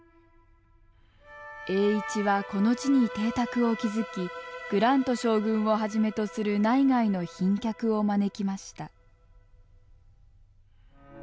栄一はこの地に邸宅を築きグラント将軍をはじめとする内外の賓客を招きました。